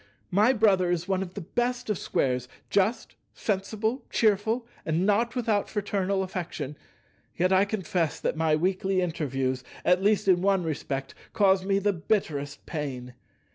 My brother is one of the best of Squares, just, sensible, cheerful, and not without fraternal affection; yet I confess that my weekly interviews, at least in one respect, cause me the bitterest pain.